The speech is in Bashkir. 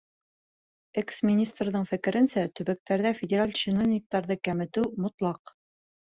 Экс-министрҙың фекеренсә, төбәктәрҙә федераль чиновниктарҙы кәметеү мотлаҡ.